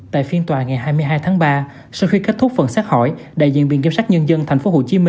tại phiên tòa ngày hai mươi hai tháng ba sau khi kết thúc phần xét hỏi đại diện viện kiểm sát nhân dân tp hcm